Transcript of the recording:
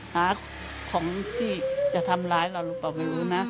หาของที่จะทำร้ายเราหรือเปล่าไม่รู้นะ